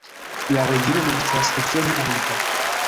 La regiono estas ekstreme arida.